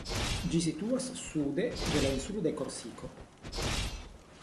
Ĝi situas sude de la insulo de Korsiko.